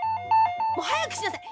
もうはやくしなさい。